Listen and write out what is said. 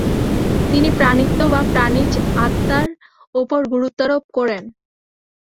তিনি প্রাণিত্ব বা প্রাণিজ আত্মার ওপর গুরুত্বারোপ করেন।